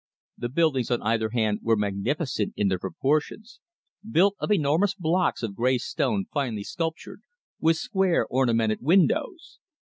The buildings on either hand were magnificent in their proportions, built of enormous blocks of grey stone finely sculptured, with square ornamented windows.